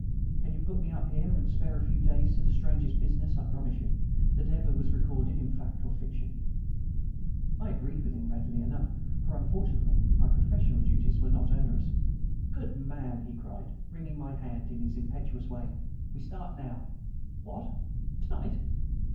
Can you put me up here, and spare a few days to the strangest business, I promise you, that ever was recorded in fact or fiction?" I agreed readily enough, for, unfortunately, my professional duties were not onerous. "Good man!" he cried, wringing my hand in his impetuous way. "We start now." "What, to night?"